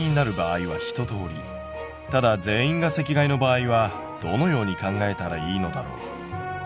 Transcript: ただ全員が席替えの場合はどのように考えたらいいのだろう。